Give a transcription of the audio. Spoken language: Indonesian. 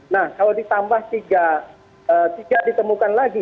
nah kalau ditambah tiga ditemukan lagi